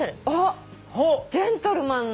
ジェントルマンの。